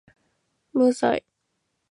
無罪